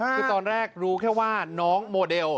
คือตอนแรกรู้แค่ว่าน้องโมเดล